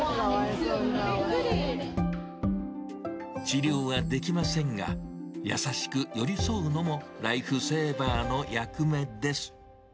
治療はできませんが、優しく寄り添うのもライフセーバーの役目です。